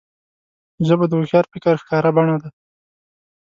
ژبه د هوښیار فکر ښکاره بڼه ده